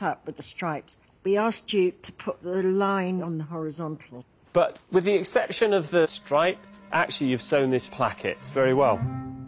はい。